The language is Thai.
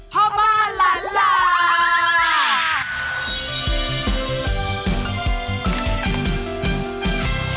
พ่อบ้านละลา